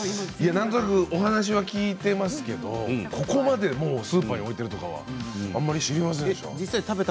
なんとなくお話は聞いていますけれどもここまでスーパーに置いてあるのは知りませんでした。